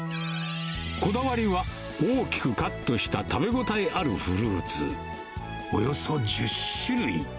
こだわりは大きくカットした食べ応えあるフルーツ、およそ１０種類。